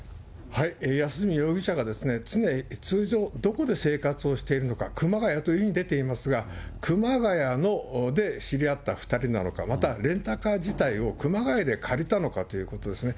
安栖容疑者が通常、どこで生活をしているのか、熊谷というふうに出ていますが、熊谷で知り合った２人なのか、またレンタカー自体を熊谷で借りたのかということですね。